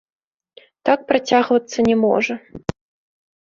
Так працягвацца не можа.